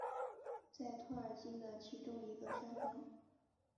在托尔金的其中一个山峰。